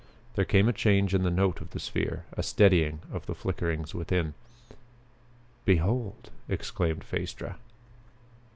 There came a change in the note of the sphere, a steadying of the flickerings within. "Behold!" exclaimed Phaestra.